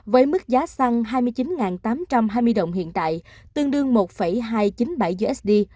với mức giá xăng hai mươi chín tám trăm hai mươi đồng hiện tại tương đương một hai trăm chín mươi bảy usd